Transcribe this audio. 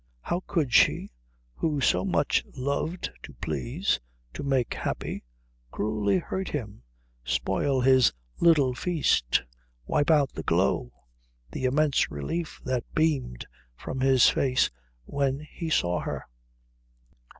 How could she, who so much loved to please, to make happy, cruelly hurt him, spoil his little feast, wipe out the glow, the immense relief that beamed from his face when he saw her?